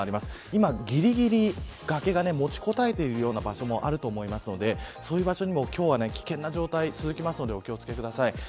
今ぎりぎり崖が持ちこたえているような場所もあると思いますのでそういう場所も今日は危険な状態が続きますのでお気を付けください。